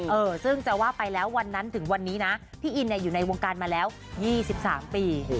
เออซึ่งจะว่าไปแล้ววันนั้นถึงวันนี้นะพี่อินเนี่ยอยู่ในวงการมาแล้ว๒๓ปี